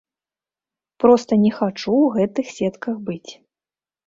Проста не хачу ў гэтых сетках быць.